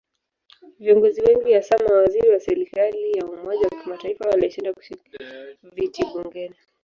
Viongozi wengi hasa mawaziri wa serikali ya umoja wa kitaifa walishindwa kushika viti bungeni.